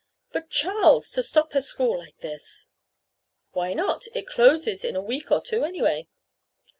"But, Charles, to stop her school like this!" "Why not? It closes in a week or two, anyway."